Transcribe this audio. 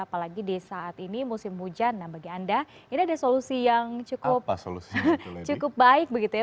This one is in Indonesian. apalagi di saat ini musim hujan nah bagi anda ini ada solusi yang cukup baik begitu ya